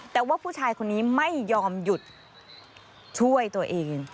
แต่ว่าผู้ชายคนนี้ไม่ยอมหยุดช่วยตัวเอง